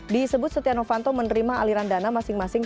di sebut setia novanto menerima aliran dana masing masing